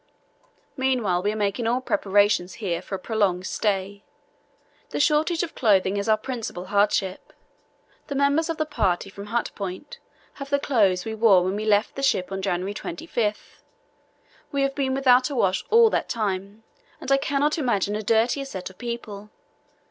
"Meanwhile we are making all preparations here for a prolonged stay. The shortage of clothing is our principal hardship. The members of the party from Hut Point have the clothes we wore when we left the ship on January 25. We have been without a wash all that time, and I cannot imagine a dirtier set of people.